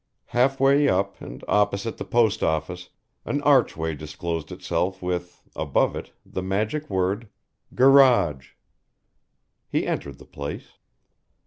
Half way up and opposite the post office, an archway disclosed itself with, above it, the magic word, "GARAGE" He entered the place.